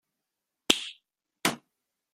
Ehun mila entzule pasatxo ditu Gazteak.